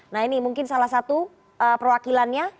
nah ini mungkin salah satu perwakilannya